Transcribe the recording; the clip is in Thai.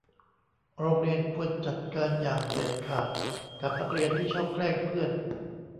โรงเรียนควรจัดการอย่างเด็ดขาดกับนักเรียนที่ชอบแกล้งเพื่อน